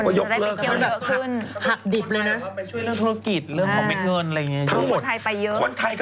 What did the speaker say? ก็ยกเลิก